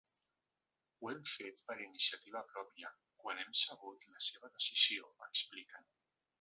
Ho hem fet per iniciativa pròpia quan hem sabut la seva decisió, expliquen.